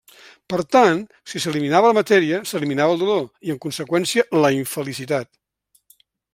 Per tant, si s'eliminava la matèria, s'eliminava el dolor i, en conseqüència, la infelicitat.